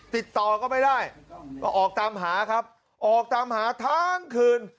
ติดต่อก็ไม่ได้ก็ออกตามหาครับออกตามหาทั้งคืน